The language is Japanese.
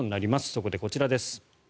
そこでこちらです。